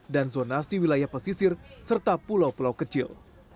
dan zonasi wilayah pesisir serta pulau pulau kecil